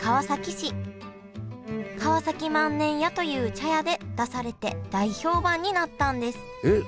河崎万年屋という茶屋で出されて大評判になったんですえっ